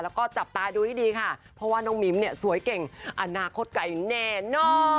แล้วก็จับตาดูให้ดีค่ะเพราะว่าน้องมิ้มเนี่ยสวยเก่งอนาคตไกลแน่นอน